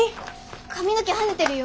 髪の毛はねてるよ。